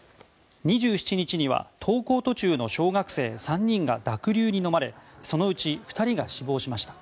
２７日には登校途中の小学生３人が濁流にのまれそのうち２人が死亡しました。